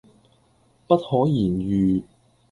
不可言喻